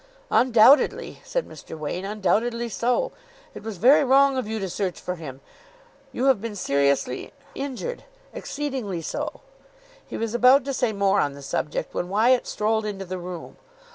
"Undoubtedly," said Mr. Wain. "Undoubtedly so. It was very wrong of you to search for him. You have been seriously injured. Exceedingly so" He was about to say more on the subject when Wyatt strolled into the room.